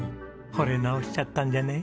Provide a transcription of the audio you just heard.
ほれ直しちゃったんじゃね？